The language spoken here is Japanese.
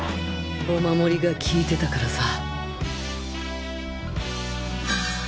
お守りが効いてたからさ。